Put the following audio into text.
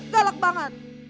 dia galak banget